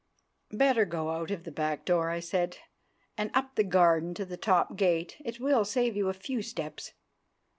"Better go out of the back door," I said, "and up the garden to the top gate; it will save you a few steps."